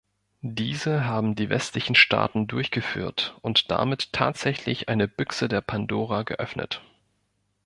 Diese haben die westlichen Staaten durchführt und damit tatsächlich eine Büchse der Pandora geöffnet.